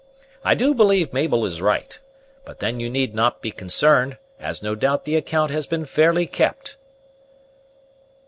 I do believe Mabel is right; but then you need not be concerned, as no doubt the account has been fairly kept."